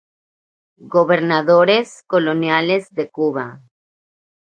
Gobernadores coloniales de Cuba